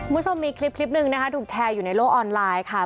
คุณผู้ชมมีคลิปหนึ่งนะคะถูกแชร์อยู่ในโลกออนไลน์ค่ะ